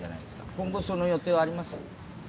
今後その予定はあります？